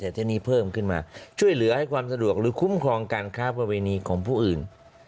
แต่ทีนี้เพิ่มขึ้นมาช่วยเหลือให้ความสะดวกหรือคุ้มครองการค้าประเวณีของผู้อื่น